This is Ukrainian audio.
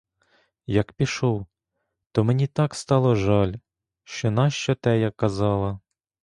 Як пішов, то мені так стало жаль, що нащо те я казала.